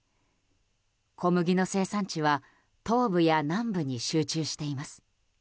小麦の生産地は東部や南部に集中しています。